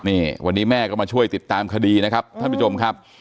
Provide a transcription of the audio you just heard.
นี่วันนี้แม่ก็มาช่วยติดตามคดีนะครับท่านผู้ชมครับ